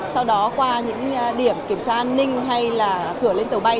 sau đó qua những điểm kiểm tra an ninh hay là cửa lên tàu bay